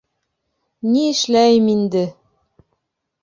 Ни эшләйем инде?